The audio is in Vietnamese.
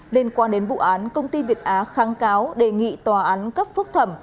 liên quan đến vụ án công ty việt á kháng cáo đề nghị tòa án cấp phúc thẩm